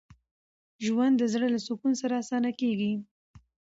ژوند د زړه له سکون سره اسانه تېرېږي.